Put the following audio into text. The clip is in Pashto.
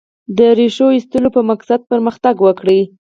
د ریښو ایستلو په مقصد پرمختګ وکړي.